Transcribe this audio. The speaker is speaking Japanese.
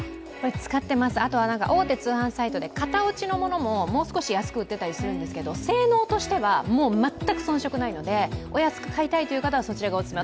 使ってます、大手通販サイトで型落ちのものももう少し安く売ってたりするんですけど性能としては全く遜色ないので、お安く買いたいという方はそちらがお勧め。